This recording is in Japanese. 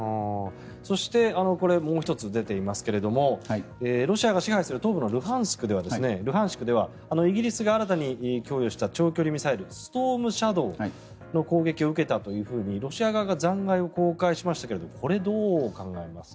そして、これはもう１つ出ていますけれどロシアが支配する東部のルハンシクではイギリスが新たに供与した長距離ミサイルストームシャドーの攻撃を受けたというふうにロシア側が残骸を公開しましたがこれはどう考えますか？